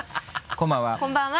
こんばんは。